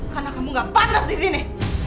karena kamu gak pantas disini